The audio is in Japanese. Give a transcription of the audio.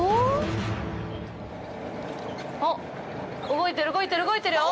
動いてる、動いてる、動いてるよ。